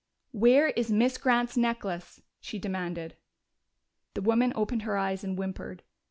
"Where is Miss Grant's necklace?" she demanded. The woman opened her eyes and whimpered.